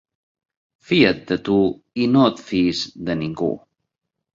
Fia't de tu, i no et fiïs de ningú.